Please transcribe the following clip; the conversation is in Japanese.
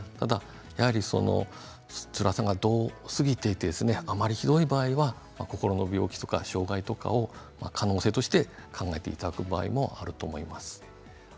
そのつらさが度を過ぎていてあまりにひどい場合は心の病気や障害を可能性として考えていただく場合もあると思います。